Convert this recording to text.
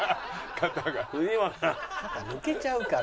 肩抜けちゃうから。